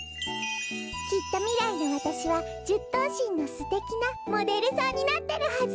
きっとみらいのわたしは１０とうしんのすてきなモデルさんになってるはず！